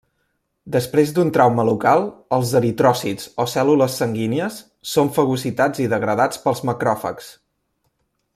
Després d'un trauma local, els eritròcits o cèl·lules sanguínies són fagocitats i degradats pels macròfags.